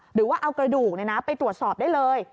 หรือว่าเอากระดูกไปตรวจสอบได้เลย